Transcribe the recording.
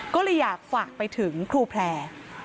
ก็เลยอยากฝากไปถึงครูแพร่